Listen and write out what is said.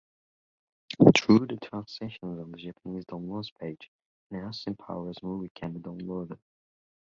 Through translations on the Japanese downloads page, an Austin Powers movie can be downloaded.